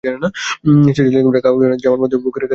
সেই টেলিগ্রামের কাগজখানি জামার মধ্যে বুকের কাছে রেখে দিলে।